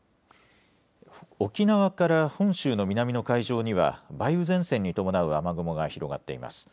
沖縄から本州の南の海上には梅雨前線に伴う雨雲が広がっています。